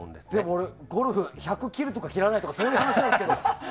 俺ゴルフ１００切るとか切らないとかそういう話なんですけど。